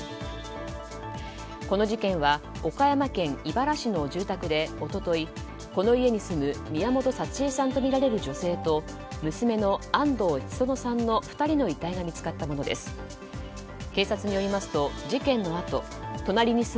この事件は岡山県井原市の住宅で一昨日、この家に住む宮本幸枝さんとみられる女性と娘の安藤千園さんの２人の遺体が見つかったものです。